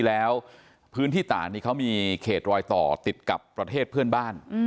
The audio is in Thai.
แล้วพื้นที่ต่างนี้เขามีเขตรอยต่อติดกับประเทศเพื่อนบ้าน